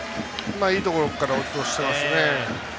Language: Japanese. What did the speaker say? いいところから落としていますね。